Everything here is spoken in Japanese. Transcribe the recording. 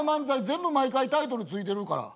全部毎回タイトル付いてるから。